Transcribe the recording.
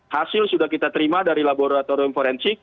hasil sudah kita terima dari laboratorium forensik